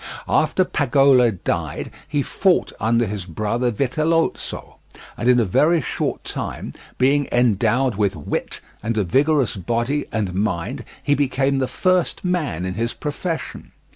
After Pagolo died, he fought under his brother Vitellozzo, and in a very short time, being endowed with wit and a vigorous body and mind, he became the first man in his profession.